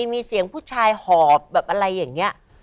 มีเสียงผู้ชายหอบแบบอะไรอย่างนี้